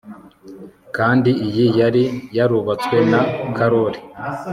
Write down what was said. kandi iyi yari yarubatswe na karoli